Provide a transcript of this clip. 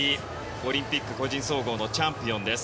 オリンピック個人総合のチャンピオンです。